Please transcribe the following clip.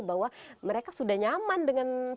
bahwa mereka sudah nyaman dengan berada di luar masjid